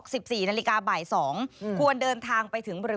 สิบสี่นาฬิกาบ่ายสอง